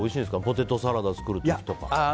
ポテトサラダを作る時とか。